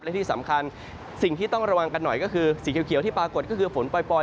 และที่สำคัญสิ่งที่ต้องระวังกันหน่อยก็คือสีเขียวที่ปรากฏก็คือฝนปล่อย